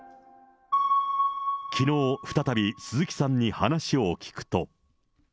きのう、再び鈴木さんに話を聞くと。